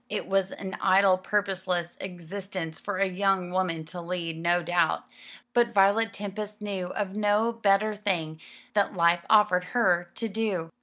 It was an idle purposeless existence for a young woman to lead, no doubt; but Violet Tempest knew of no better thing that life offered her to do.